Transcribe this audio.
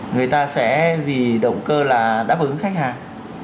người ta sẽ vì động cơ là đáp ứng khách hàng